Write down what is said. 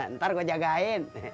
ntar gua jagain